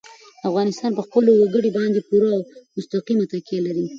افغانستان په خپلو وګړي باندې پوره او مستقیمه تکیه لري.